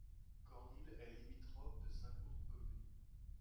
Cornil est limitrophe de cinq autres communes.